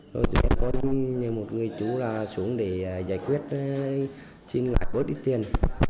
rồi tụi em có một người chú là xuống để giải quyết xin lại bớt ít tiền